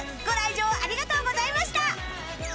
ご来場ありがとうございました！